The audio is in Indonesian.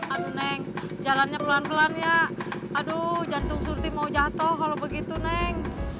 aduh neng jalannya pelan pelan ya aduh jantung surti mau jatuh kalau begitu neng